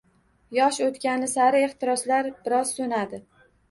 Yosh o‘tgani sari ehtiroslar biroz so‘nadi